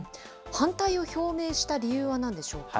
反対を表明した理由はなんでしょうか。